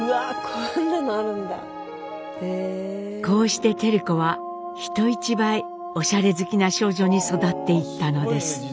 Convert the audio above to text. こうして照子は人一倍おしゃれ好きな少女に育っていったのです。